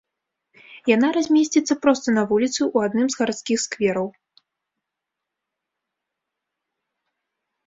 Яна размесціцца проста на вуліцы, у адным з гарадскіх сквераў.